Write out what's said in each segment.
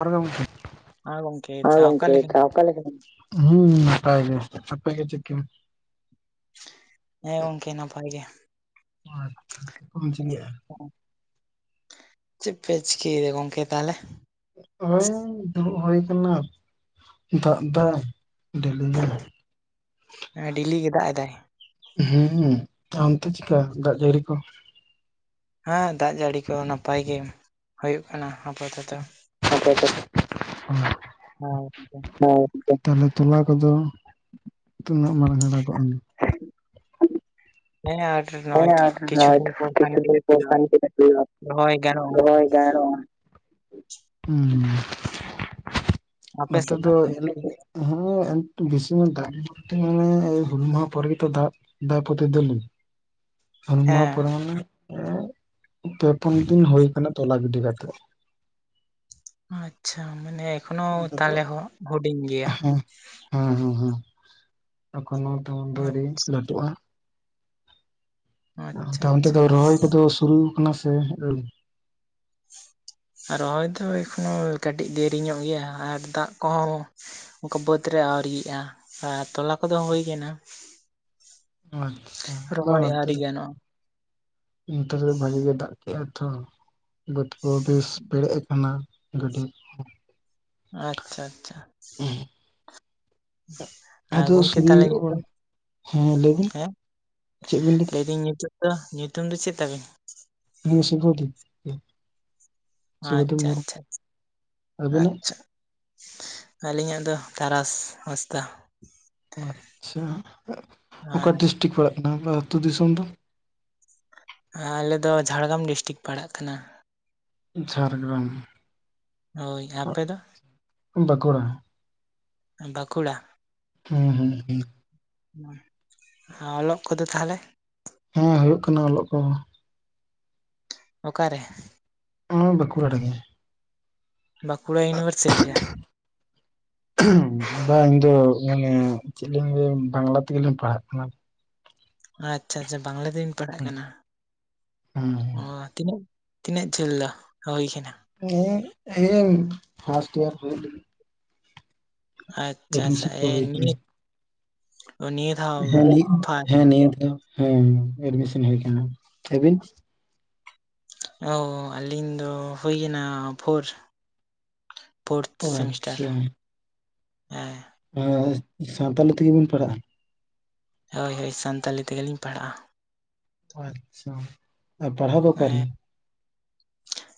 [unintelligible] ᱦᱮᱸ ᱜᱚᱝᱠᱮ ᱦᱮ ᱫᱟᱜ ᱚᱠᱟ ᱜᱚᱢᱠᱮ ᱞᱮᱠᱟ ᱚᱠᱟ ᱞᱮᱠᱟ ᱦᱩᱸᱢ ᱱᱟᱯᱟᱭ ᱜᱮ ᱟᱯᱮ ᱜᱮ ᱪᱮᱫ ᱞᱮᱠᱟ? ᱦᱮᱸ ᱜᱚᱝᱠᱮ ᱱᱟᱯᱟᱭ ᱜᱮ᱾ ᱳ ᱟᱪᱪᱷᱟ ᱢᱚᱡ ᱜᱮᱭᱟ᱾ ᱪᱮᱫ ᱯᱮ ᱪᱤᱠᱟ. ᱭᱮᱫᱟ ᱜᱚᱢᱠᱮ ᱛᱟᱦᱚᱞᱮ? ᱦᱳᱭ ᱫᱩᱲᱩᱵ ᱦᱩᱭᱩ ᱟᱠᱟᱱᱟ ᱫᱟᱜ ᱮᱫᱟᱭ᱾ [unintelligible] ᱦᱮᱸ ᱰᱮᱞᱤ ᱜᱮ ᱫᱟᱜ ᱮᱫᱟᱭ ᱦᱮᱸ ᱚᱱᱛᱮ ᱪᱤᱠᱟ ᱫᱟᱜ ᱡᱟᱹᱲᱤ ᱠᱚ? ᱦᱮᱸ ᱫᱟᱜ ᱡᱟᱹᱲᱤ ᱠᱚ ᱱᱟᱯᱟᱭ ᱜᱮ᱾ ᱦᱩᱭᱩᱜ ᱠᱟᱱᱟ ᱟᱯᱟᱛᱚᱛᱚ [unintelligible] ᱟᱪᱪᱷᱟ ᱛᱟᱦᱚᱞᱮ ᱛᱚᱞᱟ ᱠᱚᱫᱚ ᱛᱤᱱᱟᱹᱜ ᱢᱟᱨᱟᱝ ᱦᱟᱨᱟ ᱜᱚᱫ ᱮᱱᱟ ᱾ ᱦᱮᱸ ᱟᱨ ᱦᱮᱸ ᱱᱚᱜᱼᱚᱭ [unintelligible] ᱛᱚ ᱫᱤᱱ ᱠᱤᱪᱷᱩ ᱫᱤᱱ ᱯᱚᱨ ᱠᱷᱟᱱ ᱜᱮ ᱦᱩᱭᱩᱜᱼᱟ ᱯᱥᱟᱱᱚᱭ ᱨᱚᱦᱚᱭ ᱜᱟᱱᱚᱜᱼᱟ ᱦᱩᱸᱢ, ᱟᱯᱮ ᱱᱚᱛᱮ ᱥᱮᱫ ᱫᱚ ᱦᱮᱸ ᱮᱱᱛᱮ ᱵᱤᱥᱤ ᱫᱟᱜ ᱵᱚᱞᱛᱮ ᱢᱟᱱᱮ ᱦᱩᱞ ᱢᱟᱦᱟ ᱯᱚᱨᱮ ᱜᱮ ᱛᱚ ᱫᱟᱜ ᱮᱫᱟᱭ ᱯᱚᱛᱤ ᱫᱤᱱ ᱦᱚᱞ ᱢᱟᱦᱟ ᱦᱮᱸ ᱯᱚᱨᱮ [unintelligible] ᱯᱮ ᱯᱩᱱ ᱫᱤᱱ ᱦᱩᱭ ᱟᱠᱟᱱᱟ ᱛᱚᱞᱟ ᱜᱤᱰᱤ ᱠᱟᱛᱮᱫ ᱟᱪᱪᱷᱟ ᱢᱟᱱᱮ ᱮᱠᱷᱚᱱᱚ ᱟᱫᱚ ᱛᱟᱦᱚᱞᱮ ᱦᱚᱸ ᱦᱩᱰᱤᱧ ᱜᱮᱭᱟ᱾ ᱦᱮᱸ ᱦᱮᱸ ᱦᱮᱸ ᱦᱮᱸ ᱮᱠᱷᱚᱱᱳ ᱛᱮᱢᱚᱱ ᱫᱚ ᱟᱹᱣᱨᱤ ᱞᱟᱹᱴᱩᱜᱼᱟ᱾ ᱟᱪᱪᱷᱟ ᱛᱚ ᱚᱱᱛᱮ ᱟᱪᱪᱷᱟ ᱫᱚ ᱨᱚᱦᱚᱭ ᱠᱚᱫᱚ ᱥᱩᱨᱩ ᱠᱟᱱᱟ ᱥᱮ [unintelligible] ᱨᱚᱦᱚᱭ ᱫᱚ ᱮᱠᱷᱚᱱᱳ ᱠᱟᱹᱴᱤᱡ ᱫᱮᱨᱤ ᱧᱚᱜ ᱜᱮᱭᱟ ᱟᱨ ᱫᱟᱜ ᱠᱚᱦᱚᱸ ᱚᱱᱠᱟ ᱵᱟᱹᱫᱽ ᱨᱮ ᱟᱹᱣᱨᱤᱭᱟᱜᱼᱟ ᱟᱨ ᱛᱚᱞᱟ ᱠᱚᱫᱚ ᱦᱩᱭ ᱠᱟᱱᱟ᱾ ᱟᱪᱪᱷᱟ ᱨᱚᱦᱚᱭ [unintelligible] ᱟᱹᱣᱨᱤ ᱜᱟᱱᱚᱜᱼᱟ ᱱᱮᱛᱮ ᱫᱚ ᱵᱷᱟᱜᱮ ᱜᱮ ᱫᱟᱜ ᱠᱮᱜᱼᱟᱭ ᱛᱚ ᱵᱟᱹᱫᱽ ᱠᱚ ᱵᱮᱥ ᱯᱮᱨᱮᱡ ᱟᱠᱟᱱᱟ ᱜᱟᱹᱰ ᱟᱪᱪᱷᱟ ᱟᱪᱪᱷᱟ ᱟᱫᱚ ᱜᱚᱝᱠᱮ ᱥᱩᱨᱩ ᱛᱟᱦᱚᱞᱮ ᱧᱩᱛᱩᱢ ᱚᱲᱟᱜ ᱦᱮᱸ ᱞᱟᱹᱭᱵᱤᱱ ᱦᱮᱸ ᱪᱮᱫ ᱵᱤᱱ ᱞᱟᱹᱭ ᱞᱟᱹᱭᱫᱟᱹᱧ ᱧᱩᱛᱩᱢ ᱫᱚ ᱧᱩᱛᱩᱢ ᱫᱚ ᱪᱮᱫ ᱛᱟᱵᱤᱱ? ᱤᱧ ᱥᱩᱵᱷᱚᱫᱤᱯ ᱥᱩᱵᱷᱚᱫᱤᱯ ᱟᱪᱪᱷᱟ ᱢᱩᱨᱢᱩ ᱟᱪᱪᱷᱟ, ᱟᱹᱵᱤᱱᱟᱜ ᱟᱪᱪᱷᱟ ᱟᱹᱞᱤᱧᱟᱜ ᱫᱚ ᱛᱟᱨᱟᱥ ᱦᱟᱸᱥᱫᱟ᱾ ᱟᱪᱪᱷᱟ ᱚᱠᱟ ᱟᱨ ᱰᱤᱥᱴᱤᱠ ᱯᱟᱲᱟᱜ ᱠᱟᱱᱟ ᱟᱮᱭᱟᱜ ᱟᱹᱛᱩ ᱫᱤᱥᱚᱢ ᱫᱚ᱾ ᱟᱞᱮᱫ ᱫᱚ ᱡᱷᱟᱲᱜᱨᱟᱢ ᱰᱤᱥᱴᱤᱠ ᱯᱟᱲᱟᱜ ᱠᱟᱱᱟ᱾ ᱡᱷᱟᱲᱜᱨᱟᱢ ᱦᱳᱭ ᱟᱯᱮ ᱫᱚ? ᱵᱟᱸᱠᱩᱲᱟ᱾ ᱵᱟᱸᱠᱩᱲᱟ᱾ ᱦᱩᱸ ᱦᱩᱸ ᱦᱩᱸ ᱚᱞᱚᱜ ᱠᱚᱫᱚ ᱛᱟᱦᱚᱞᱮ᱾ ᱦᱮᱸ ᱦᱩᱭᱩᱜ ᱠᱟᱱᱟ ᱚᱞᱚᱜ ᱠᱚ᱾ ᱚᱠᱟᱨᱮ ᱵᱟᱸᱠᱩᱲᱟ ᱨᱮ ᱜᱮ᱾ ᱵᱟᱸᱠᱩᱲᱟ ᱤᱭᱩᱱᱤᱵᱷᱟᱨᱥᱤᱴᱤ ᱨᱮ᱾ [unintelligible] ᱵᱟᱝ ᱤᱧ ᱫᱚ ᱢᱟᱱᱮ ᱪᱮᱫ ᱞᱤᱧ ᱞᱟᱹᱭᱟ ᱵᱟᱝᱞᱟ ᱛᱮᱜᱮᱞᱤᱧ ᱯᱟᱲᱦᱟᱜ ᱠᱟᱱᱟ᱾ ᱟᱪᱪᱷᱟ ᱟᱪᱪᱷᱟ ᱵᱟᱝᱞᱟ ᱛᱮᱵᱤᱱ ᱯᱟᱲᱦᱟᱜ ᱠᱟᱱᱟ᱾ ᱚ ᱛᱤᱱᱟᱹᱜ ᱛᱤᱱᱟᱹᱜ ᱡᱷᱟᱹᱞ ᱫᱚ ᱦᱩᱭ ᱠᱟᱱᱟ᱾ ᱱᱮ ᱤᱭᱟ. ᱯᱷᱟᱥᱴ ᱤᱭᱟᱨ ᱦᱩᱭᱩᱜ ᱞᱟᱹᱜᱤᱫ᱾ ᱟᱪᱪᱷᱟ ᱟᱪᱪᱷᱟ ᱮᱰᱢᱤᱥᱚᱱ ᱠᱚ ᱮ ᱦᱩᱭ ᱱᱤ ᱠᱟᱱᱟ ᱱᱤᱭᱮ᱾ ᱦᱮᱸ ᱦᱮᱸ ᱱᱤᱭᱟᱹᱫᱷᱟᱣ ᱦᱮᱸ ᱮᱰᱢᱤᱥᱚᱱ ᱦᱩᱭ ᱠᱟᱱᱟ ᱟᱵᱤᱱ᱾ ᱚ ᱟᱹᱞᱤᱧ ᱫᱚ ᱦᱩᱭᱱᱟ ᱯᱷᱳᱨ᱾ ᱯᱷᱳᱨᱛᱷ ᱚ ᱥᱮᱢᱤᱥᱴᱟᱨ᱾ ᱟᱪᱪᱷᱟ ᱦᱮᱸ ᱚᱸ ᱥᱟᱣᱛᱟᱞᱤ ᱛᱮᱜᱮ ᱵᱤᱱ ᱯᱟᱲᱦᱟᱜᱼᱟ᱾ ᱦᱳᱭ ᱦᱳᱭ ᱥᱟᱱᱛᱟᱞᱤ ᱛᱮᱜᱮᱞᱤᱧ ᱯᱟᱲᱦᱟᱜᱼᱟ᱾ ᱟᱪᱪᱷᱟ ᱟᱨ ᱯᱟᱲᱦᱟᱣ ᱫᱚ ᱚᱠᱟᱨᱮ᱾ ᱦᱮᱸ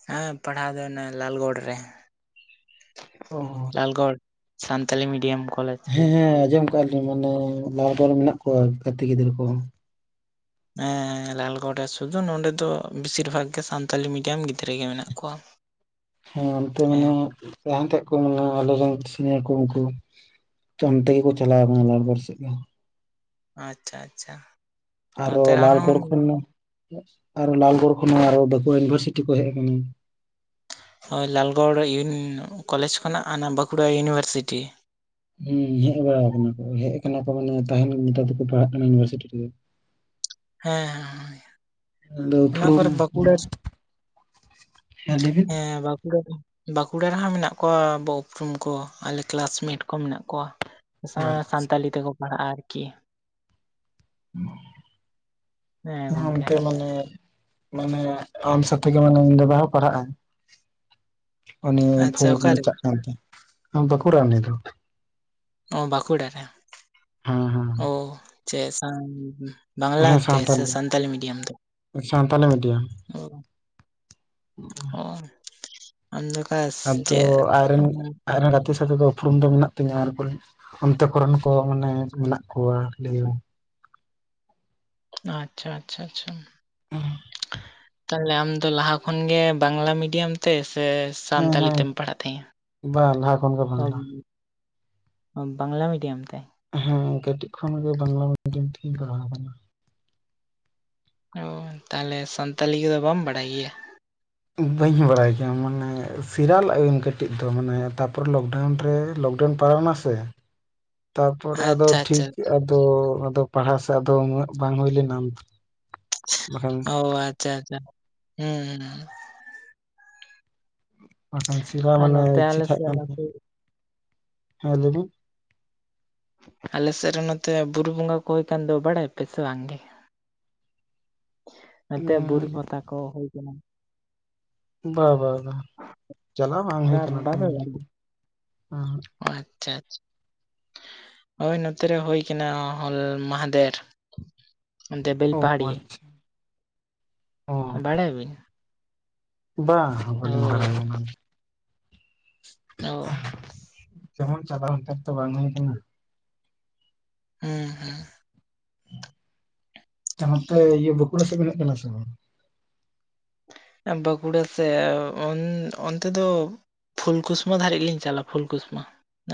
ᱦᱮᱸ ᱯᱟᱲᱦᱟᱣ ᱫᱚ ᱚᱱᱮ ᱞᱟᱞᱜᱚᱲ ᱨᱮ᱾ ᱚ ᱞᱟᱞᱜᱚᱲ ᱥᱟᱱᱛᱟᱞᱤ ᱢᱤᱰᱤᱭᱟᱢ ᱠᱚᱞᱮᱡᱽ᱾ ᱦᱮᱸ ᱦᱮᱸ ᱟᱸᱡᱚᱢ ᱟᱠᱜᱼᱟ ᱞᱤᱧ ᱢᱟᱱᱮ ᱞᱟᱦᱟ ᱨᱮ ᱢᱮᱱᱟᱜ ᱠᱚᱣᱟ ᱜᱟᱛᱮ ᱜᱤᱫᱽᱨᱟᱹ ᱠᱚ ᱾ ᱦᱮᱸ ᱞᱟᱞᱜᱚᱲ ᱥᱩᱫᱩ ᱱᱚᱰᱮ ᱫᱚ ᱵᱮᱥᱤᱨ ᱵᱷᱟᱜ ᱜᱮ ᱥᱟᱱᱛᱟᱞᱤ ᱢᱤᱰᱤᱭᱟᱢ᱾ ᱜᱤᱫᱽᱨᱟᱹ ᱜᱮ ᱢᱮᱱᱟᱜ ᱠᱚᱣᱟ ᱦᱮᱸ ᱚᱱᱛᱮ ᱦᱮᱸ ᱢᱟᱱᱮ᱾ ᱞᱟᱦᱟ ᱛᱮᱜ ᱠᱚ ᱢᱮᱱᱟ ᱟᱞᱮᱨᱮ ᱨᱮᱱ ᱥᱤᱱᱤᱭᱟᱨ ᱠᱚ ᱩᱱᱠᱩ᱾ ᱚᱱᱛᱮ ᱜᱮᱠᱚ ᱪᱟᱞᱟᱣ ᱠᱟᱱᱟ ᱞᱟᱞᱜᱚᱲ ᱥᱮᱫ ᱜᱮ᱾ ᱟᱪᱪᱷᱟ ᱟᱪᱪᱷᱟ᱾ ᱟᱨᱚ ᱱᱚᱛᱮ ᱨᱮᱦᱚᱸ ᱞᱟᱞᱜᱚᱲ ᱠᱷᱚᱱ ᱟᱨᱚ ᱞᱟᱞᱜᱚᱲ ᱠᱷᱚᱱ, ᱦᱚᱸ ᱟᱨᱚ ᱵᱟᱸᱠᱩᱲᱟ ᱤᱭᱩᱱᱤᱵᱷᱟᱨᱥᱤᱴᱤ ᱠᱚ ᱦᱮᱡ ᱟᱠᱟᱱᱟ᱾ ᱦᱳᱭ ᱞᱟᱞᱜᱚᱲ ᱠᱚᱞᱮᱡᱽ ᱠᱷᱚᱱᱟᱜ ᱦᱟᱱᱟ ᱵᱟᱸᱠᱩᱲᱟ ᱤᱭᱩᱱᱤᱵᱷᱟᱨᱥᱤᱴᱤ᱾ ᱦᱮᱸ ᱦᱮᱡ ᱵᱟᱲᱟ ᱟᱠᱟᱱᱟ ᱠᱚ ᱦᱮᱡ ᱠᱟᱱᱟ ᱠᱚ ᱢᱟᱱᱮ ᱛᱟᱦᱮᱱ ᱱᱮᱛᱟᱨ ᱫᱚᱠᱚ ᱯᱟᱲᱦᱟᱜ ᱠᱟᱱᱟ ᱤᱭᱩᱱᱤᱵᱷᱟᱨᱥᱤᱴᱤ ᱨᱮᱜᱮ᱾ [unintelligible] ᱦᱮᱸ ᱦᱮᱸ ᱟᱫᱚ ᱚᱱᱟ ᱯᱷᱨᱚᱢ ᱠᱚᱨᱮ ᱵᱟᱸᱠᱩᱲᱟ ᱦᱮᱸ ᱞᱟᱹᱭ ᱵᱤᱱ ᱦᱮᱸ ᱵᱟᱸᱠᱩᱲᱟ ᱨᱮ᱾ ᱵᱟᱸᱠᱩᱲᱟ ᱨᱮᱦᱚᱸ ᱢᱮᱱᱟᱜ ᱠᱚᱣᱟ ᱟᱵᱚ ᱩᱯᱨᱩᱢ ᱠᱚ ᱟᱞᱮ ᱠᱮᱞᱟᱥᱢᱮᱴ ᱠᱚ ᱢᱮᱱᱟᱜ ᱠᱚᱣᱟ᱾ ᱥᱟᱱᱛᱟᱞᱤ ᱛᱮᱠᱚ ᱯᱟᱲᱦᱟᱜᱼᱟ ᱟᱨᱠᱤ᱾ ᱦᱮᱸ ᱟᱱᱛᱮ ᱢᱟᱱᱮ᱾ ᱢᱟᱱᱮ ᱟᱢ ᱥᱟᱛᱮᱜᱮ ᱢᱟᱱᱮ ᱤᱧ ᱫᱟᱫᱟ ᱦᱚ ᱯᱟᱲᱦᱟᱜᱼᱟ᱾ ᱩᱱᱤ ᱟᱪᱪᱷᱟ ᱯᱷᱳᱨ ᱚᱠᱟᱨᱮ ᱪᱟᱜ ᱠᱟᱱ ᱛᱟᱸᱦᱮ ᱵᱟᱸᱠᱩᱲᱟ ᱩᱱᱤ ᱫᱚ᱾ ᱚ ᱵᱟᱸᱠᱩᱲᱟ ᱨᱮ ᱦᱮᱸ ᱦᱮᱸ ᱚ ᱪᱮᱫ ᱵᱟᱝᱞᱟ ᱛᱮ ᱥᱮ ᱥᱟᱱᱛᱟᱞᱤ ᱢᱤᱰᱤᱭᱟᱢ ᱛᱮ ᱥᱟᱱᱛᱟᱞᱤ ᱢᱤᱰᱤᱭᱟᱢ [unintelligible] [unintelligible] ᱟᱫᱚ ᱟᱭᱨᱮᱱ ᱩᱸ, ᱟᱭᱨᱮᱱ ᱜᱟᱛᱮ ᱥᱟᱛᱮ ᱫᱚ ᱩᱯᱨᱩᱢ ᱫᱚ ᱢᱮᱱᱟᱜ ᱛᱤᱧᱟᱹ ᱟᱨ ᱦᱟᱱᱛᱮ ᱠᱚᱨᱮᱱ ᱠᱚ ᱢᱟᱱᱮ ᱢᱮᱱᱟᱜ ᱠᱚᱣᱟ ᱞᱟᱹᱭ ᱟᱪᱪᱷᱟ ᱟᱪᱪᱷᱟ ᱟᱪᱪᱷᱟ, [unintelligible] ᱛᱟᱦᱚᱞᱮ ᱟᱢᱫᱚ ᱞᱟᱦᱟ ᱠᱷᱚᱱ ᱜᱮ ᱵᱟᱝᱞᱟ ᱢᱤᱰᱤᱭᱟᱢ ᱛᱮ ᱥᱮ ᱦᱮᱸ ᱥᱟᱱᱛᱟᱞᱤ ᱦᱮᱸ ᱛᱮᱢ ᱯᱟᱲᱦᱟᱜ ᱛᱟᱦᱮᱸᱼᱟ? ᱵᱟᱝ ᱞᱟᱦᱟ ᱠᱷᱚᱱ ᱜᱮ ᱵᱟᱝᱞᱟ ᱵᱟᱝᱞᱟ ᱢᱤᱰᱤᱭᱟᱢ ᱛᱮ᱾ ᱦᱮᱸ ᱠᱟᱹᱴᱤᱡ ᱠᱷᱚᱱ ᱜᱮ ᱵᱟᱝᱞᱟ ᱢᱤᱰᱤᱭᱟᱢ ᱛᱮᱤᱧ ᱯᱟᱲᱦᱟᱣ ᱟᱠᱟᱱᱟ᱾ ᱚ ᱛᱟᱦᱚᱞᱮ ᱥᱟᱱᱛᱟᱞᱤ ᱠᱚᱫᱚ ᱵᱟᱢ ᱵᱟᱲᱟᱭ ᱜᱮᱭᱟ? ᱵᱟᱹᱧ ᱵᱟᱲᱟᱭ ᱜᱮᱭᱟ ᱢᱟᱱᱮ ᱥᱮᱤᱨᱟᱞᱟᱜᱟᱧ ᱠᱟᱹᱴᱤᱡ ᱫᱚ ᱢᱟᱱᱮ ᱛᱟᱯᱚᱨᱮ ᱞᱚᱠᱰᱟᱣᱩᱱ ᱨᱮ ᱞᱚᱠᱰᱟᱣᱩᱱ ᱯᱟᱨᱟᱣᱱᱟ ᱥᱮ, ᱛᱟᱨᱯᱚᱨᱮ ᱟᱫᱚ ᱟᱪᱪᱷᱟ ᱴᱷᱤᱠ ᱟᱪᱪᱷᱟ ᱟᱫᱚ ᱯᱟᱲᱦᱟᱣ ᱥᱮᱫ ᱟᱫᱚ ᱩᱱᱟᱹᱜ ᱵᱟᱝ ᱦᱩᱭ ᱞᱮᱱᱟ, ᱵᱟᱠᱷᱟᱱ ᱚ ᱟᱪᱪᱷᱟ ᱟᱪᱪᱷᱟ ᱦᱩᱸ ᱦᱩᱸ ᱵᱟᱠᱷᱟᱱ ᱥᱮᱬᱟ ᱟᱨ ᱢᱟᱱᱮ ᱱᱚᱛᱮ ᱤᱪᱪᱷᱟ ᱟᱞᱮ ᱛᱟᱦᱮᱸ ᱥᱮᱫ ᱠᱟᱱ ᱛᱤᱧᱟ ᱱᱚᱛᱮ ᱦᱮᱸ ᱞᱟᱹᱭ ᱵᱤᱱ, ᱟᱞᱮ ᱥᱮᱫ ᱨᱮ ᱱᱚᱛᱮ ᱵᱩᱨᱩ ᱵᱚᱸᱜᱟ ᱠᱚ ᱦᱩᱭ ᱠᱟᱱ ᱫᱚ ᱵᱟᱲᱟᱭ ᱯᱮ ᱥᱮ ᱵᱟᱝ ᱜᱮ? ᱱᱚᱛᱮ ᱵᱩᱨᱩ ᱯᱟᱛᱟ ᱠᱚ ᱦᱩᱭᱩᱜ ᱠᱟᱱᱟ᱾ ᱵᱟ ᱵᱟ ᱵᱟᱝ ᱪᱟᱞᱟᱣ ᱵᱟᱝ ᱦᱩᱭ ᱫᱟ ᱠᱟᱱᱟ᱾ ᱚ ᱟᱪᱪᱷᱟ ᱟᱪᱪᱷᱟ, ᱦᱳᱭ ᱱᱚᱛᱮ ᱨᱮ ᱦᱳᱭ ᱠᱟᱱᱟ ᱦᱚᱞ ᱢᱟᱦᱟᱫᱷᱮᱨ, ᱚᱱᱛᱮ ᱚ ᱵᱮᱞᱯᱟᱦᱟᱲᱤ᱾ ᱟᱪᱪᱷᱟ ᱚ ᱵᱟᱲᱟᱭ ᱟᱵᱤᱱ? ᱵᱟᱝ ᱵᱟᱞᱤᱧ ᱦᱳᱭ ᱵᱟᱲᱟᱭᱟ ᱚᱱᱟᱫᱚ, [unintelligible] ᱡᱮᱢᱚᱱ ᱪᱟᱞᱟᱣ ᱚᱱᱛᱮ ᱛᱚ ᱵᱟᱝ ᱦᱩᱭ ᱠᱟᱱᱟ, ᱦᱮᱸ ᱦᱮᱸ ᱱᱚᱛᱮ ᱤᱭᱟᱹ ᱵᱟᱸᱠᱩᱲᱟ ᱥᱮᱫ ᱵᱤᱱ ᱠᱟᱱᱟ ᱥᱮ ᱵᱟᱝ? ᱵᱟᱸᱠᱩᱲᱟ ᱥᱮ ᱚᱱ ᱚᱱᱛᱮ ᱫᱚ ᱯᱷᱩᱞᱠᱩᱥᱢᱟ ᱫᱷᱟᱨᱤᱡ ᱞᱤᱧ ᱪᱟᱞᱟᱣᱼᱟ, ᱯᱷᱩᱞᱠᱩᱥᱢᱟ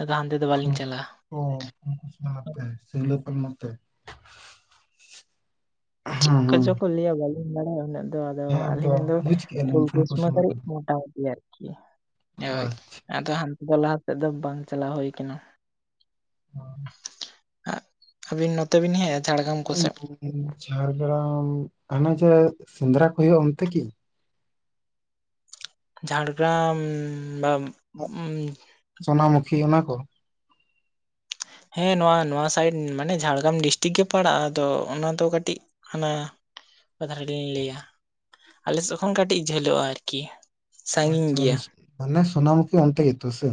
ᱟᱫᱚ ᱦᱟᱱᱛᱮ ᱫᱚ ᱵᱟᱞᱤᱧ ᱪᱟᱞᱟᱣ [unintelligible] ᱪᱮᱫ ᱦᱮᱸ ᱠᱚ ᱦᱮᱸ ᱪᱚ ᱠᱚ ᱞᱟᱹᱭᱼᱟ ᱵᱟᱞᱤᱧ ᱵᱟᱲᱟᱭᱟ ᱩᱱᱟᱹᱜ ᱫᱚ, ᱟ ᱟᱫᱚ ᱦᱮᱸ ᱛᱚ ᱟᱹᱞᱤᱧ ᱫᱚ ᱵᱩᱡᱽ ᱠᱮᱜᱼᱟ ᱞᱤᱧ ᱯᱷᱩᱞᱠᱩᱥᱩᱢᱟ ᱯᱷᱩᱞᱠᱩᱥᱢᱟ ᱫᱷᱟᱨᱤᱡ ᱠᱚᱫᱚ ᱢᱚᱴᱟᱢᱩᱴᱤ ᱟᱨᱠᱤ ᱦᱳᱭ, ᱟᱫᱚ ᱦᱟᱱᱛᱮ ᱫᱚ ᱞᱟᱦᱟ ᱥᱮᱫ ᱫᱚ ᱵᱟᱝ ᱪᱟᱞᱟᱣ ᱦᱩᱭ ᱟᱠᱟᱱᱟ᱾ [unintelligible] ᱟᱹᱵᱤᱱ ᱱᱚᱛᱮ ᱵᱤᱱ ᱦᱮᱡᱼᱟ ᱡᱷᱟᱲᱜᱮᱨᱟᱢ ᱠᱚᱥᱮᱫ? ᱡᱷᱟᱲᱜᱮᱨᱟᱢ ᱦᱟᱱᱮ ᱡᱮ ᱥᱮᱸᱫᱽᱨᱟ ᱠᱚ ᱦᱩᱭᱩᱜᱼᱟ ᱚᱱᱛᱮ ᱠᱤ? ᱡᱷᱟᱲᱜᱮᱨᱟᱢ ᱵᱟ ᱥᱚᱱᱟᱢᱩᱠᱷᱤ ᱚᱱᱟ ᱠᱚ, ᱦᱮᱸ ᱱᱚᱣᱟ ᱱᱚᱣᱟ ᱥᱟᱭᱤᱰ ᱢᱟᱱᱮ ᱡᱷᱟᱲᱜᱮᱨᱟᱢ ᱰᱤᱥᱴᱤᱠ ᱜᱮ ᱯᱟᱲᱟᱜᱼᱟ, ᱟᱫᱚ ᱚᱱᱟ ᱫᱚ ᱠᱟᱹᱴᱤᱡ [unintelligible] ᱟᱞᱮ ᱥᱮᱫ ᱠᱷᱚᱱ ᱠᱟᱹᱴᱤᱡ ᱡᱷᱟᱹᱞᱚᱜᱼᱟ ᱟᱨᱠᱤ ᱚ ᱥᱟᱺᱜᱤᱧ ᱟᱪᱪᱷᱟ ᱜᱮᱭᱟ ᱢᱟᱱᱮ ᱥᱚᱱᱟᱢᱩᱠᱷᱤ ᱦᱟᱱᱛᱮ ᱜᱮᱛᱚ ᱥᱮ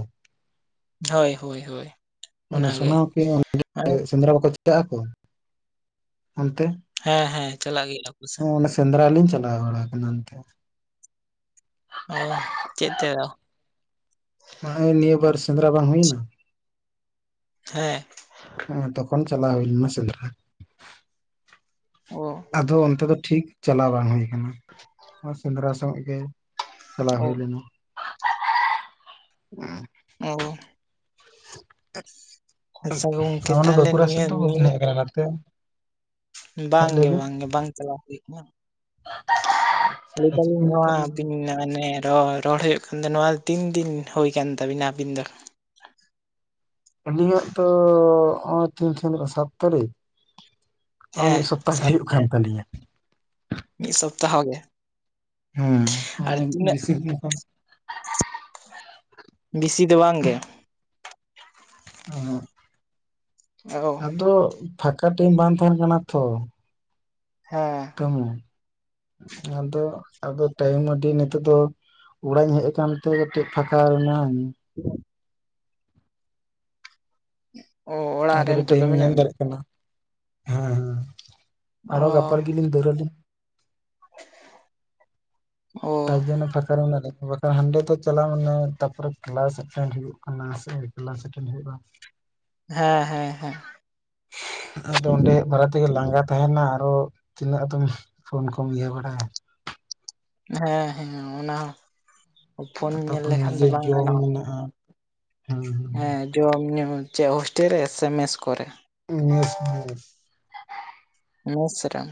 ᱦᱳᱭ ᱦᱳᱭ ᱦᱳᱭ ᱢᱟᱱᱮ ᱚᱱᱟᱜᱮ, ᱥᱳᱱᱟᱢᱩᱠᱷᱤ ᱚᱸᱰᱮ ᱢᱟᱱᱮ ᱥᱮᱸᱫᱽᱨᱟ ᱵᱟᱠᱚ ᱪᱮᱠᱟᱜ ᱟᱠᱚ ᱚᱱᱛᱮ ᱦᱮᱸ ᱦᱮᱸ ᱪᱟᱞᱟᱜ ᱜᱮᱭᱟ ᱟᱠᱚ ᱥᱮᱱ ᱚᱱᱟ ᱥᱮᱸᱫᱽᱨᱟ ᱞᱤᱧ ᱪᱟᱞᱟᱣ ᱵᱟᱲᱟ ᱟᱠᱟᱱᱟ ᱮᱱᱛᱮ ᱚ ᱪᱮᱛᱮᱭᱚ ᱱᱚᱜᱼᱚᱭ ᱱᱤᱭᱟᱹ ᱵᱟᱨ ᱥᱮᱸᱫᱽᱨᱟ ᱵᱟᱝ ᱦᱩᱭᱱᱟ᱾ ᱦᱮᱸ ᱦᱮᱸ ᱮᱸ ᱛᱚᱠᱷᱚᱱ ᱪᱟᱞᱟᱣ ᱦᱩᱭ ᱞᱮᱱᱟ ᱥᱮᱸᱫᱽᱨᱟ ᱚ ᱟᱫᱚ ᱚᱱᱛᱮ ᱫᱚ ᱴᱷᱤᱠ ᱪᱟᱞᱟᱣ ᱵᱟᱝ ᱦᱩᱭ ᱠᱟᱱᱟ ᱟᱨ ᱥᱮᱸᱫᱽᱨᱟ ᱥᱚᱸᱜᱮᱼᱟ ᱜᱮ ᱪᱟᱞᱟᱣ ᱚ ᱦᱩᱭ ᱞᱮᱱᱟ᱾ [inaudible] ᱩᱸᱦ ᱚ ᱟᱪᱪᱷᱟ ᱜᱚᱝᱠᱮ ᱟᱨ ᱛᱟᱦᱚᱞᱮ ᱵᱟᱹᱠᱩᱲᱟ ᱥᱮᱫ ᱱᱤᱭᱟᱹ ᱫᱚ ᱵᱟᱵᱤᱱ ᱦᱮᱡ ᱠᱟᱱᱟ ᱱᱟᱛᱮ ᱦᱮᱡ ᱵᱟᱝ ᱜᱮ ᱞᱮᱵᱤᱱ ᱵᱟᱝ ᱜᱮ ᱵᱟᱝ ᱪᱟᱞᱟᱣ ᱦᱩᱭ ᱠᱟᱱᱟ᱾ ᱞᱟᱹᱭ ᱟᱨ ᱪᱮᱫ ᱫᱟᱹᱞᱤᱧ ᱵᱤᱱ ᱞᱟᱹᱭᱮᱫ ᱱᱚᱣᱟ ᱛᱟᱦᱮᱸ ᱞᱟᱹᱭ ᱟᱹ ᱵᱤᱱ [unintelligible] ᱨᱚᱲ ᱨᱚᱲ ᱦᱞᱭᱩᱜ ᱠᱟᱱ ᱫᱚ ᱱᱚᱣᱟ ᱛᱤᱱ ᱫᱤᱱ ᱦᱩᱭ ᱠᱟᱱ ᱛᱟᱵᱤᱱᱟ ᱟᱹᱵᱤᱱ ᱫᱚ ᱟᱹᱞᱤᱧᱟᱜ ᱫᱚ ᱱᱚᱜ ᱚᱭ ᱛᱤᱦᱤᱧ ᱛᱤᱱᱟᱹᱜ ᱥᱟᱛ ᱛᱟᱹᱨᱤᱠᱷ ᱱᱚᱜᱼᱚᱭ ᱢᱤᱫ ᱦᱮᱸ ᱥᱚᱯᱛᱟ ᱜᱮ ᱥᱟᱛ ᱦᱩᱭᱩᱜ ᱠᱟᱱ ᱛᱟᱞᱤᱧᱟ᱾ ᱢᱤᱫ ᱥᱚᱯᱛᱟ ᱦᱚ ᱜᱮ ᱦᱩᱸ ᱯᱷᱚᱱ ᱟᱨ ᱮᱢ ᱛᱤᱱᱟᱹᱜ ᱨᱤᱥᱤᱯ ᱞᱮᱠᱷᱟᱱ ᱵᱮᱥᱤ ᱫᱚ ᱵᱟᱝ ᱜᱮ ᱚ ᱟᱫᱚ ᱯᱷᱟᱠᱟ ᱴᱟᱹᱭᱤᱢ ᱵᱟᱝ ᱛᱟᱦᱮᱱ ᱠᱟᱱᱟ ᱛᱚ ᱦᱮᱸ ᱟᱫᱚ ᱟᱫᱚ ᱴᱟᱭᱤᱢ ᱟᱹᱰᱤ ᱱᱤᱛᱚᱜ ᱫᱚ ᱚᱲᱟᱜ ᱤᱧ ᱦᱮᱡ ᱟᱠᱟᱱᱛᱮ ᱠᱟᱹᱴᱤᱡ ᱯᱷᱟᱠᱟ ᱢᱤᱱᱟᱹᱧ [unintelligible] ᱚ ᱚᱲᱟᱜ ᱟᱨ ᱨᱮ ᱠᱟᱹᱴᱤᱡ ᱱᱤᱛᱚᱜ ᱫᱚ ᱴᱟᱭᱤᱢ ᱤᱧ ᱢᱮᱱᱟᱜ ᱧᱟᱢ ᱢᱮᱭ᱾ ᱫᱟᱲᱮᱭᱟᱜ ᱠᱟᱱᱟ ᱦᱮᱸ ᱦᱮᱸ ᱚ ᱟᱨᱼᱚ ᱜᱟᱯᱟᱨ ᱞᱟᱜᱤᱫᱞᱤᱧ ᱫᱟᱹᱲᱟᱞᱤᱧ [inaudible] ᱟᱨ ᱡᱮ ᱚᱱᱟ ᱯᱷᱟᱠᱟ ᱨᱮ ᱢᱮᱱᱟᱜ ᱞᱮ ᱦᱟᱸᱰᱮ ᱛᱚ ᱪᱟᱞᱟᱣ ᱢᱟᱱᱮ ᱛᱟᱯᱚᱨᱮ ᱠᱮᱞᱟᱥ ᱮᱴᱮᱱ ᱦᱩᱭᱩᱜ ᱠᱟᱱᱟ ᱥᱮ ᱠᱮᱞᱟᱥ ᱮᱴᱮᱱ ᱦᱩᱭᱩᱜᱼᱟ᱾ [inaudible] ᱦᱮᱸ ᱦᱮᱸ ᱦᱮᱸ [inaudible] ᱟᱫᱚ ᱚᱸᱰᱮ ᱵᱟᱲᱟ ᱛᱮ ᱜᱮ ᱞᱟᱸᱜᱟ ᱛᱟᱦᱮᱱᱟ ᱟᱨᱚ ᱛᱤᱱᱟᱹᱜ ᱟᱫᱚᱢ ᱯᱷᱳᱱ ᱠᱚᱢ ᱤᱭᱟᱹ ᱵᱟᱲᱟᱭᱟ᱾ ᱦᱮᱸ ᱦᱮᱸ ᱚᱱᱟ ᱦᱚᱸ ᱯᱷᱳᱱ ᱧᱮᱞ ᱞᱮᱠᱷᱟᱱ ᱫᱚ ᱵᱟᱝ ᱜᱟᱱᱚᱜᱼᱟ᱾ ᱦᱮᱸᱱᱟᱜᱼᱟ᱾ ᱦᱮᱸ ᱡᱚᱢ ᱧᱩ ᱪᱮᱫ ᱦᱳᱥᱴᱮ ᱨᱮ ᱥᱮ ᱢᱮᱥ ᱠᱚᱨᱮ ᱢᱮᱥ ᱢᱮᱥ ᱢᱮᱥ ᱨᱮ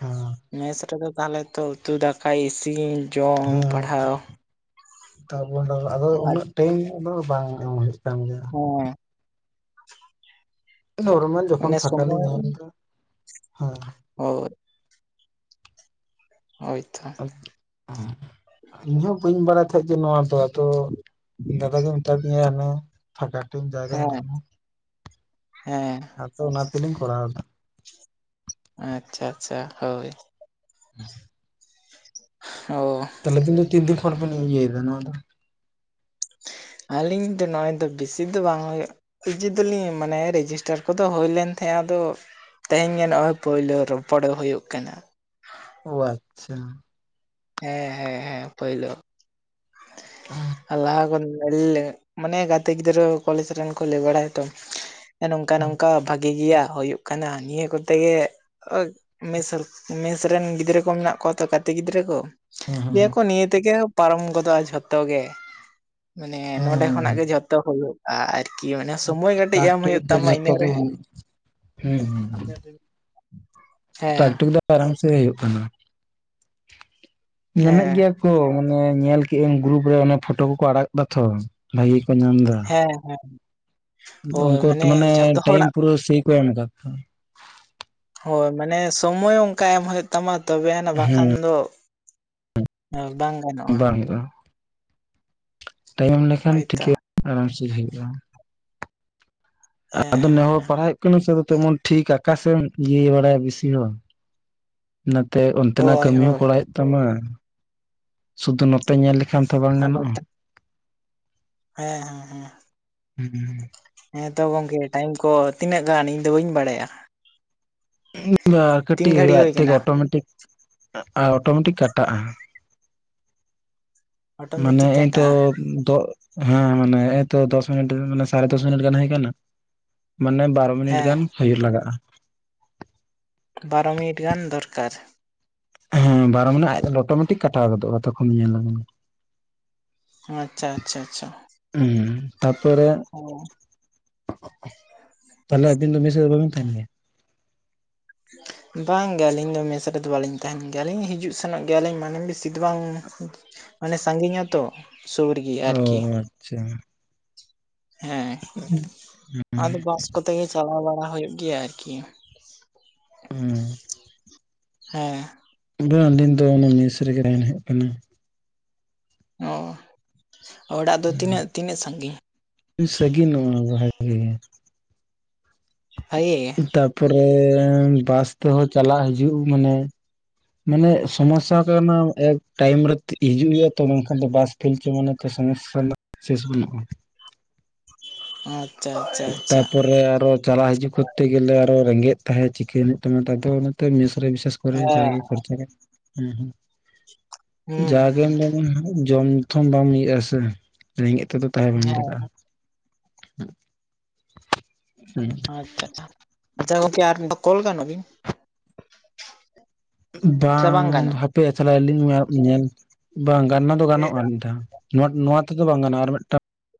ᱦᱮᱸ ᱢᱮᱥ ᱨᱮᱫᱚ ᱛᱟᱦᱚᱞᱮ ᱛᱚ ᱩᱛᱩ ᱫᱟᱠᱟ ᱤᱥᱤᱱ ᱡᱚᱢ ᱦᱮᱸ ᱦᱮᱸ ᱯᱟᱲᱦᱟᱣ ᱛᱟᱵᱚᱱ ᱞᱟᱜᱼᱟ ᱟᱫᱚ ᱟᱨ ᱩᱱᱟᱹᱜ ᱴᱟᱭᱤᱢ ᱫᱚ ᱵᱟᱝ ᱮᱢ ᱦᱩᱭᱩᱜ ᱠᱟᱱ ᱜᱮᱭᱟ᱾ ᱦᱮᱸ ᱱᱚᱨᱢᱟᱞ ᱡᱚᱠᱷᱚᱱ ᱢᱟᱱᱮ ᱯᱷᱟᱠᱟ ᱞᱤᱧ ᱥᱚᱢᱚᱭ ᱧᱟᱢ ᱮᱫᱟ ᱦᱮᱸ ᱦᱳ ᱦᱳᱭᱛᱚ᱾ ᱦᱩ ᱤᱧ ᱦᱚ ᱵᱟᱹᱧ ᱵᱟᱲᱟᱭ ᱛᱟᱦᱮᱸᱫ ᱡᱮ ᱱᱚᱣᱟ ᱫᱚ ᱟᱫ ᱛᱚ ᱫᱟᱫᱟ ᱜᱮ ᱢᱮᱛᱟ ᱫᱤᱧᱟᱹ ᱚᱱᱮ ᱯᱷᱟᱸᱠᱟ ᱴᱟᱭᱤᱢ ᱡᱟᱜᱮᱢ ᱦᱮᱸ ᱧᱟᱢᱟ᱾ ᱦᱮᱸ ᱟᱫᱚ ᱚᱱᱟ ᱛᱮᱞᱤᱧ ᱠᱚᱨᱟᱣ ᱮᱫᱟ᱾ ᱟᱪᱪᱷᱟ ᱟᱪᱪᱷᱟ ᱦᱳᱭ [inaudible] ᱚ ᱛᱟᱦᱚᱞᱮ ᱠᱤᱱᱛᱩ ᱛᱤᱱ ᱠᱷᱚᱱ ᱵᱤᱱ ᱤᱭᱟᱹᱭᱮᱫᱟ ᱱᱚᱣᱟ ᱫᱚ᱾ ᱟᱹᱞᱤᱧ ᱫᱚ ᱱᱚᱜᱼᱚᱭ ᱫᱚ ᱵᱮᱥᱤ ᱫᱚ ᱵᱟᱝ ᱦᱩᱭᱩᱜᱼᱟ᱾ ᱠᱤᱡᱤ ᱫᱚᱞᱤᱧ ᱢᱟᱱᱮ ᱨᱮᱡᱤᱥᱴᱟᱨ ᱠᱚᱫᱚ ᱦᱳᱭ ᱞᱮᱱ ᱛᱟᱦᱮᱸᱼᱟ ᱟᱫᱚ ᱛᱮᱦᱮᱧ ᱜᱮ ᱱᱚᱜᱼᱚᱭ ᱯᱳᱭᱞᱳ ᱨᱚᱯᱚᱲᱮ ᱦᱩᱭᱩᱜ ᱠᱟᱱᱟ᱾ ᱟᱪᱪᱷᱟ ᱦᱮᱸ ᱦᱮᱸ ᱦᱮᱸ ᱯᱟᱹᱭᱞᱟᱹ ᱞᱟᱦᱟ ᱠᱷᱚᱱ ᱢᱟᱱᱮ ᱜᱟᱛᱮ ᱜᱤᱫᱽᱨᱟᱹ ᱠᱚᱞᱮᱡᱽ ᱨᱮᱱ ᱠᱚ ᱞᱟᱹᱭ ᱵᱟᱲᱟᱭᱛᱚ ᱱᱚᱝᱠᱟ ᱦᱮᱸ ᱱᱚᱝᱠᱟ ᱵᱷᱟᱜᱤ ᱵᱷᱟᱹᱜᱤ ᱜᱮᱭᱟ ᱦᱩᱭᱩᱜ ᱠᱟᱱᱟ ᱱᱤᱭᱟᱹ ᱠᱚᱛᱮ ᱜᱮ ᱢᱮᱥ ᱢᱮᱥ ᱨᱮᱱ ᱜᱤᱫᱽᱨᱟᱹ ᱠᱚ ᱢᱮᱱᱟᱜ ᱠᱚᱣᱟ ᱛᱚ ᱜᱟᱛᱮ ᱜᱤᱫᱽᱨᱟᱹ ᱠᱚ᱾ ᱦᱮᱸ ᱞᱟᱸᱭ ᱟᱠᱚ ᱱᱤᱭᱟᱹ ᱛᱮᱜᱮ ᱯᱟᱨᱚᱢ ᱜᱚᱫᱚᱜᱼᱟ ᱡᱷᱚᱛᱚ ᱜᱮ ᱢᱟᱱᱮ ᱦᱮᱸ ᱱᱚᱰᱮ ᱠᱷᱚᱱᱟᱜ ᱜᱮ ᱦᱮᱸ ᱡᱚᱛᱚ ᱡᱚᱛᱚ ᱦᱩᱭᱩᱜᱼᱟ ᱟᱨᱠᱤ ᱢᱟᱱᱮ ᱥᱚᱢᱚᱭ ᱠᱟᱹᱴᱤᱡ ᱴᱟᱠ ᱮᱢ ᱦᱩᱭᱩᱜ ᱛᱟᱢᱟ ᱤᱱᱟᱹᱨᱮ᱾ ᱦᱮᱸ ᱦᱩᱸ ᱦᱩᱸ ᱦᱮᱸ ᱴᱟᱠ ᱴᱩᱠ ᱫᱚ ᱯᱟᱨᱚᱢ ᱦᱚᱪᱚᱭ ᱦᱩᱭᱩᱜ ᱠᱟᱱᱟ ᱧᱟᱢᱮᱫ ᱦᱮᱸ ᱜᱮᱭᱟ᱾ ᱠᱚ ᱢᱟᱱᱮ ᱧᱮᱞ ᱠᱮᱜᱼᱟ ᱜᱨᱩᱯ ᱨᱮ ᱚᱱᱟ ᱯᱷᱳᱴᱳ ᱠᱚᱠᱚ ᱟᱲᱟᱜ ᱫᱟ ᱛᱚ ᱵᱷᱟᱜᱤ ᱜᱮ ᱠᱚ ᱧᱟᱢ ᱫᱟ᱾ ᱦᱮᱸ ᱦᱮᱸ ᱩᱱᱠᱩ ᱮᱠᱴᱩ ᱢᱟᱱᱮ ᱴᱟᱭᱤᱢ ᱦᱚᱲᱟᱜ ᱯᱩᱨᱟᱹ ᱥᱮ ᱠᱚ ᱮᱢᱠᱫᱟ ᱛᱚ ᱾ ᱦᱳᱭ ᱢᱟᱱᱮ ᱥᱚᱢᱚᱭ ᱚᱱᱠᱟ ᱮᱢ ᱦᱩᱭᱩᱜ ᱛᱟᱢᱟ ᱛᱚᱵᱮᱭᱱᱟ ᱦᱮᱸ ᱵᱟᱠᱷᱟᱱ ᱫᱚ ᱟᱨ ᱵᱟᱝ ᱜᱟᱱᱚᱜᱼᱟ ᱵᱟᱝ ᱦᱩᱭᱩᱜᱼᱟ ᱛᱟᱭᱚᱢ ᱞᱮᱠᱷᱟᱱ ᱦᱳᱭᱛᱚ ᱴᱷᱤᱠᱟᱹ ᱟᱨᱟᱢ ᱪᱮᱫ ᱦᱩᱭᱩᱜᱼᱟ᱾ ᱦᱮᱸ ᱟᱫᱚ ᱱᱮ ᱦᱮᱸ ᱦᱚᱲ ᱦᱮᱸ ᱯᱟᱲᱦᱟᱜ ᱦᱩᱭᱩᱜ ᱠᱟᱱᱟ ᱥᱮ ᱟ ᱛᱮᱢᱚᱱ ᱴᱷᱤᱠ ᱟᱠᱟᱥᱮᱢ ᱤᱭᱟᱹ ᱵᱟᱲᱟᱭᱟ ᱵᱤᱥᱤ ᱦᱚᱸ ᱱᱟᱛᱮ ᱚᱱᱛᱮᱱᱟᱜ ᱦᱳᱭ ᱠᱟᱹᱢᱤ ᱦᱚᱸ ᱦᱳᱭ ᱠᱚᱨᱟᱣ ᱦᱳᱭᱳᱜ ᱛᱟᱢᱟ᱾ ᱥᱩᱫᱩ ᱱᱚᱛᱮ ᱧᱮᱞ ᱞᱮᱠᱷᱟᱱ ᱛᱚ ᱵᱟᱝ ᱟᱵᱚ ᱜᱟᱱᱚᱜᱼᱟ᱾ ᱴᱷᱮᱱ ᱦᱮᱸ ᱦᱮᱸ ᱦᱮᱸ ᱦᱩᱸ ᱦᱮᱸᱛᱚ ᱜᱚᱝᱠᱮ ᱴᱟᱭᱤᱢ ᱠᱚ ᱛᱤᱱᱟᱹᱜ ᱜᱟᱱ ᱤᱧ ᱫᱚ ᱵᱟᱹᱧ ᱵᱟᱲᱟᱭᱟ᱾ ᱛᱤᱱ ᱠᱟᱹᱴᱤᱡ ᱜᱷᱟᱹᱲᱤ ᱦᱩᱭᱩᱜᱼᱟ ᱟᱡ ᱦᱩᱭ ᱛᱮᱜᱮ ᱠᱟᱱᱟ ᱚᱴᱳᱢᱮᱴᱤᱠ ᱟᱨ ᱚᱴᱳᱢᱮᱴᱤᱠ ᱠᱟᱴᱟᱜᱼᱟ᱾ ᱢᱟᱱᱮ ᱚᱴᱳᱢᱮᱴᱤᱠ ᱮᱜᱦᱮ ᱠᱟᱴᱟᱜᱼᱟ ᱱᱤᱛᱚᱜ ᱦᱮᱸ ᱢᱟᱱᱮ ᱮᱛᱚ ᱫᱚᱥ ᱢᱤᱱᱤᱴ ᱢᱟᱱᱮ ᱥᱟᱲᱮ ᱫᱚᱥ ᱢᱤᱱᱤᱴ ᱜᱟᱱ ᱦᱩᱭ ᱠᱟᱱᱟ ᱢᱟᱱᱮ ᱵᱟᱨ ᱢᱤᱱᱤᱴ ᱦᱮᱸ ᱜᱟᱱ ᱦᱩᱭᱩᱜ ᱞᱟᱜᱟᱜᱼᱟ᱾ ᱵᱟᱨᱚ ᱢᱤᱱᱤᱴ ᱜᱟᱱ ᱫᱚᱨᱠᱟᱨ᱾ ᱦᱮᱸ ᱵᱟᱨᱚ ᱢᱤᱱᱤᱴ ᱟᱡ ᱫᱚ ᱚᱴᱚᱢᱮᱴᱤᱠ ᱠᱟᱴᱟᱣ ᱜᱚᱫᱚᱜᱼᱟ ᱛᱚᱠᱷᱚᱱ ᱧᱮᱞᱟ᱾ ᱟᱪᱪᱷᱟ ᱟᱪᱪᱷᱟ ᱟᱪᱪᱷᱟ ᱩᱸ ᱛᱟᱨᱯᱚ ᱨᱮ? ᱚ ᱛᱟᱦᱞᱮ ᱟᱹᱵᱤᱱ ᱫᱚ ᱢᱮᱥ ᱫᱚ ᱵᱟᱵᱤᱱ ᱛᱟᱦᱮᱱ ᱜᱮᱭᱟ᱾ ᱵᱟᱝ ᱜᱮ ᱟᱹᱞᱤᱧ ᱫᱚ ᱢᱮᱥ ᱨᱮᱫᱚ ᱵᱟᱞᱤᱧ ᱛᱟᱦᱮᱱ ᱜᱮᱭᱟᱞᱤᱧ ᱦᱤᱡᱩᱜ ᱥᱮᱱᱚᱜ ᱜᱮᱭᱟᱞᱤᱧ ᱢᱟᱱᱮ ᱵᱮᱥᱤ ᱪᱮᱫ ᱵᱟᱝ ᱢᱟᱱᱮ ᱥᱟᱺᱜᱤᱧ ᱟ ᱛᱚ ᱥᱩᱨ ᱜᱮᱭᱟ ᱾ ᱚ ᱟᱪᱪᱷᱟ ᱦᱮᱸ ᱦᱩᱸ ᱟᱫᱚ ᱵᱟᱥ ᱠᱚᱛᱮ ᱜᱮ ᱪᱟᱞᱟᱣ ᱵᱟᱲᱟ ᱦᱳᱭᱳᱜ ᱜᱮᱭᱟ ᱟᱨᱠᱤ [unintelligible] ᱦᱮᱸ᱾ ᱟᱹᱞᱤᱧ ᱫᱚ ᱚᱱᱟ ᱢᱮᱥ ᱨᱮᱜᱮ ᱛᱟᱦᱮᱱ ᱦᱩᱭᱩ ᱠᱟᱱᱟ᱾ ᱚ ᱚᱲᱟᱜ ᱫᱚ ᱛᱤᱱᱟᱹᱜ ᱛᱤᱱᱟᱹᱜ ᱥᱟᱺᱜᱤᱧ ᱥᱟᱜᱤᱧᱚᱜᱼᱟ ᱵᱷᱟᱜᱮ ᱜᱮ [unintelligible] ᱛᱟᱯᱚᱨᱮ ᱵᱟᱥ ᱛᱮᱦᱚᱸ ᱪᱟᱞᱟᱜ ᱦᱤᱡᱩᱜ ᱢᱟᱱᱮ ᱢᱟᱱᱮ ᱥᱚᱢᱚᱥᱥᱟ ᱠᱟᱱᱟ ᱮ ᱴᱟᱭᱤᱢ ᱨᱮ ᱦᱤᱡᱩᱜ ᱦᱩᱭᱩᱜᱼᱟ ᱛᱚ, ᱵᱟᱝᱠᱷᱟᱱ ᱫᱚ ᱵᱟᱥ ᱯᱷᱮᱞ ᱦᱚᱪᱚ ᱢᱟᱱᱮ ᱛᱚ ᱥᱚᱢᱚᱥᱥᱟ ᱨᱮᱱᱟᱜ ᱥᱮᱥ ᱵᱟᱹᱱᱩᱜᱼᱟ᱾ [unintelligible] ᱛᱟ ᱟᱪᱪᱷᱟ ᱯᱚᱨᱮ ᱟᱨᱚ ᱪᱟᱞᱟ ᱦᱤᱡᱩᱜ ᱠᱚᱨᱛᱮ ᱜᱮᱞᱮ ᱟᱨᱚ ᱨᱮᱸᱜᱮᱜ ᱛᱟᱦᱮᱸ ᱪᱤᱠᱟᱹ ᱦᱩᱭᱩᱜ ᱛᱟᱢᱟ ᱛᱟᱫᱚ ᱚᱱᱟᱛᱮ ᱢᱮᱥ ᱨᱮ ᱵᱤᱥᱮᱥ ᱦᱮᱸ ᱡᱟᱜᱮ ᱠᱷᱪᱟᱪ [unintelligible] ᱦᱸ ᱦᱸ ᱦᱩᱸ ᱡᱟ ᱜᱮᱢ ᱡᱚᱢᱟ ᱦᱟᱸᱜ ᱡᱚᱢ ᱛᱷᱚᱢ ᱵᱟᱢ ᱤᱭᱟᱹᱜ ᱟ ᱥᱮ ᱨᱮᱸᱜᱮᱜ ᱛᱮᱫᱚ ᱛᱟᱦᱮᱸ ᱦᱩᱸ ᱵᱟᱝ ᱦᱮᱸ ᱞᱟᱜᱟᱜᱼᱟ᱾ [unintelligible] ᱟᱪᱪᱷᱟ ᱟᱪᱪᱷᱟ ᱟᱪᱪᱷᱟ ᱜᱚᱝᱠᱮ ᱟᱨ ᱢᱤᱫ ᱫᱷᱟᱣ ᱠᱚᱞ ᱜᱟᱱᱚᱜ ᱜᱮᱭᱟ? ᱵᱟᱝ ᱦᱟᱯᱮᱭᱟᱜ ᱪᱟᱞᱟᱭᱞᱤᱧ ᱢᱮ ᱧᱮᱞ ᱵᱟᱝ ᱜᱟᱱᱚᱜ ᱫᱚ ᱜᱟᱱᱚᱜ -ᱟ ᱟᱜᱢᱤᱫ ᱫᱷᱟ [inaudible] ᱱᱚᱣᱟ ᱛᱮᱫᱚ ᱵᱟᱝ ᱜᱟᱱᱚᱜᱼᱟ ᱟᱨ ᱢᱤᱫᱴᱟᱝ